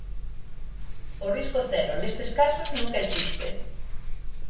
O risco cero nestes casos nunca existe.